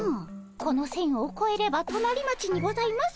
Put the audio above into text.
この線をこえれば隣町にございます。